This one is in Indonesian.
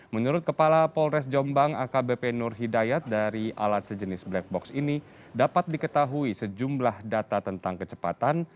menurut kepala polres jombang akbp nur hidayat dari alat sejenis black box ini dapat diketahui sejumlah data tentang kecepatan